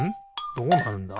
どうなるんだ？